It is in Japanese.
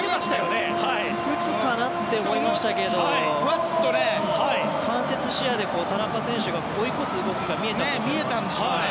打つかなって思いましたけど間接視野で田中選手が追い越す動きが見えたんだと思います。